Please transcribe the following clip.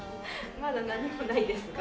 まだ何もないですが。